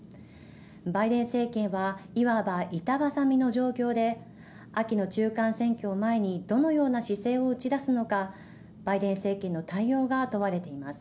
バイデン政権はいわば、板挟みの状況で秋の中間選挙を前にどのような姿勢を打ち出すのかバイデン政権の対応が問われています。